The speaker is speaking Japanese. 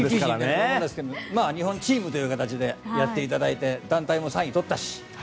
日本チームという形でやっていただいて団体も３位とったし。